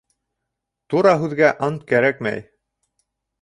Тура һүҙгә ант кәрәкмәй.